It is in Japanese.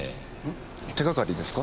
手がかりですか？